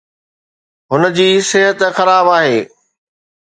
هن جي صحت خراب آهي